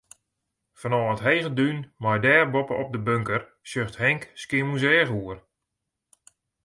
Fanôf it hege dún mei dêr boppe-op de bunker, sjocht Henk Skiermûntseach oer.